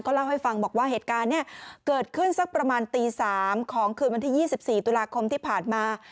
เล่าให้ฟังบอกว่าเหตุการณ์เนี่ยเกิดขึ้นสักประมาณตี๓ของคืนวันที่๒๔ตุลาคมที่ผ่านมา